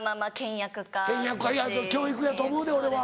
倹約家教育やと思うで俺は。